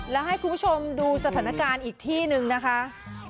แล้วให้คุณผู้ชมดูสถานการณ์อีกที่หนึ่งนะคะ